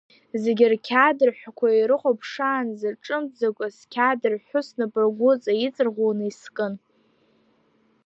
Зегьы рқьаад рҳәқәа ирыхәаԥшаанӡа, ҿымҭӡакәа сқьаад рҳәы снапсыргәыҵа иҵарӷәӷәаны искын.